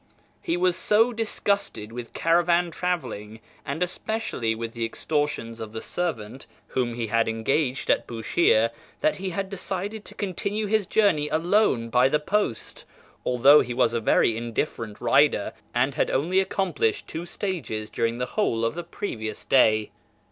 He was so disgusted with caravan travelling, and especially with the extortions of the servant whom he had engaged at Bushire, that he had decided to continue his journey alone by the post, although he was a very indifferent rider, and had only accomplished two stages during the whole of the previous day.